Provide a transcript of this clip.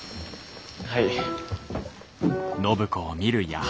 はい。